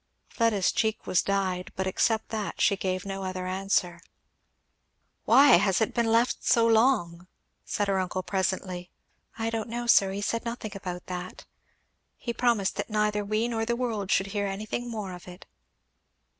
Fleda's cheek was dyed, but except that she gave no other answer. "Why has it been left so long?" said her uncle presently. "I don't know, sir he said nothing about that. He promised that neither we nor the world should hear anything more of it."